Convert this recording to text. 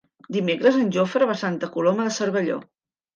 Dimecres en Jofre va a Santa Coloma de Cervelló.